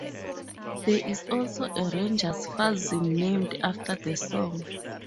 There is also a Rangers fanzine named after the song.